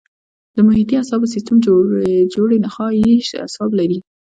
د محیطي اعصابو سیستم جوړې نخاعي اعصاب لري.